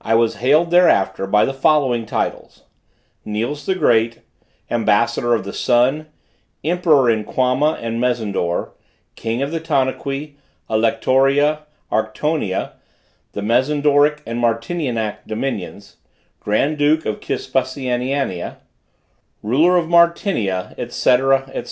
I was hailed thereafter, by the following titles: "Niels the Great, Ambassador of the Sun, Emperor in Quama and Mezendore, King of Tanaqui, Alectoria, Arctonia, the Mezendoric and Martinianic dominions, Grand Duke of Kispusianania, Ruler of Martinia, etc. etc."